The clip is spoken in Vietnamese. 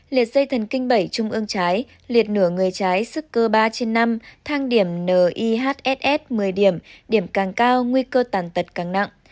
liệt dây thần kinh bảy trung ương trái liệt nửa người trái sức cơ ba trên năm thang điểm nihss một mươi điểm điểm càng cao nguy cơ tàn tật càng nặng